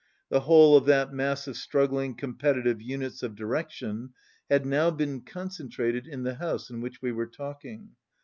The whole of that mass of struggling competitive units of direction had now been concentrated in the house in which we were talking.